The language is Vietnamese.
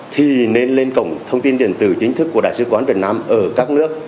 thì nên lên cổng thông tin điện tử chính thức của đại sứ quán việt nam ở các nước